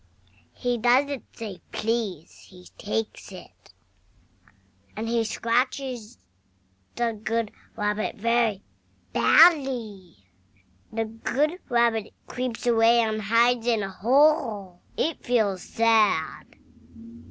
HE doesn't say "Please." He takes it! AND he scratches the good Rabbit very badly. THE good Rabbit creeps away, and hides in a hole. It feels sad.